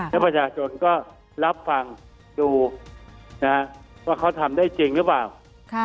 แล้วประชาชนก็รับฟังดูนะว่าเขาทำได้จริงหรือเปล่า